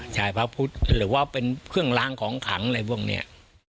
ใช่พระพุทธหรือว่าเป็นเครื่องล้างของขังอะไรพวกนี้